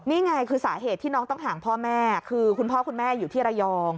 นี่ไงคือสาเหตุที่น้องต้องห่างพ่อแม่คือคุณพ่อคุณแม่อยู่ที่ระยอง